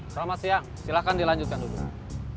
selamat siang silahkan dilanjutkan dulu